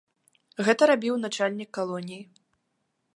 Гэта рабіў начальнік калоніі.